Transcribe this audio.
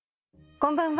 こんばんは。